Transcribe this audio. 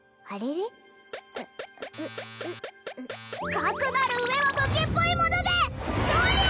かくなる上は武器っぽいものでとりゃ！